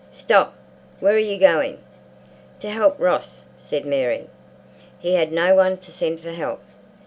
"Stop! Where are you going?" "To help Ross," said Mary. "He had no one to send for help."